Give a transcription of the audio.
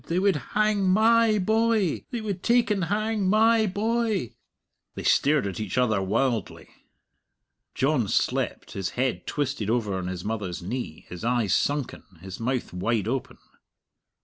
They would hang my boy they would take and hang my boy!" They stared at each other wildly. John slept, his head twisted over on his mother's knee, his eyes sunken, his mouth wide open.